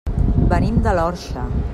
Venim de l'Orxa.